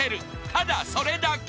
［ただそれだけ］